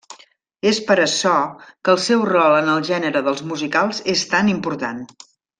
És per açò que el seu rol en el gènere dels musicals és tan important.